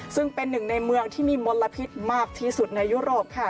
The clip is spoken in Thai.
ซึ่งเป็นหนึ่งในเมืองที่มีมลพิษมากที่สุดในยุโรปค่ะ